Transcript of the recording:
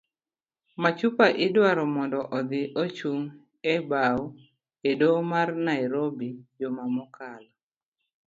Machupa idwaro mondo odhi ochung' e bao e doho ma nairobi juma mokalo